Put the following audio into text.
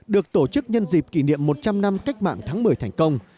được tổ chức nhân dịp kỷ niệm một trăm linh năm cách mạng tháng một mươi thành công